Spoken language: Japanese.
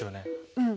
うん。